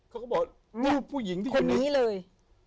เขาก็บอกรูปผู้หญิงที่คนนี้เลย